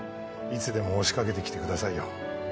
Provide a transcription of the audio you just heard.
いつでも押しかけてきてくださいよ